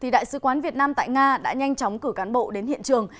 đại sứ quán việt nam tại nga đã nhanh chóng cử cán bộ đến hiện trường